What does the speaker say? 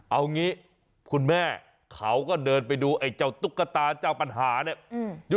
เอางี้คุณแม่เขาก็เดินไปดูไอ้เจ้าตุ๊กตาเจ้าปัญหาเนี่ย